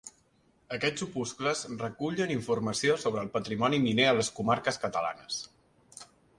Aquests opuscles recullen informació sobre el patrimoni miner a les comarques catalanes.